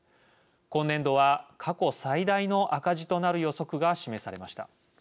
今年度は過去最大の赤字となる予測が示されました。